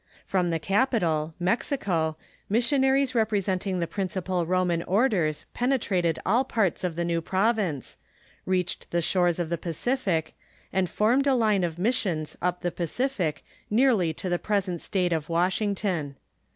From the capital, Mexico, missionaries representing the prin cipal Roman orders penetrated all parts of the new province, reached the shores of the Pacific, and formed a line of mis sions up the Pacific nearly to the present State of Washington.